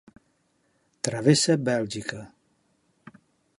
Travessa Bèlgica.